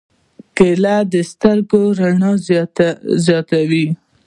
کېله د سترګو رڼا زیاتوي.